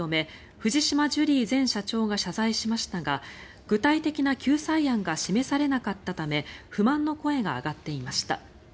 藤島ジュリー前社長が謝罪しましたが具体的な救済案が示されなかったため不満の声が上がっていました。